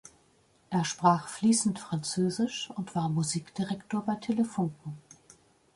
Er sprach fließend Französisch und war Musikdirektor bei Telefunken.